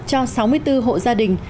cho sáu mươi bốn hộ gia đình